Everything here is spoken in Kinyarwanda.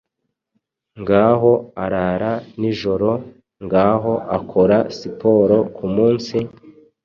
Ngaho arara nijoro; Ngaho akora siporo kumunsi,